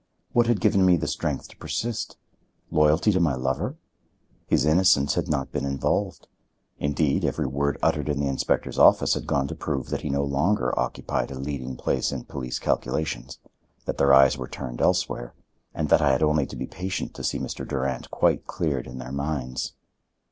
What had given me the strength to persist? Loyalty to my lover? His innocence had not been involved. Indeed, every word uttered in the inspector's office had gone to prove that he no longer occupied a leading place in police calculations: that their eyes were turned elsewhere, and that I had only to be patient to see Mr. Durand quite cleared in their minds.